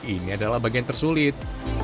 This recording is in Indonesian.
ini adalah bagian tersulit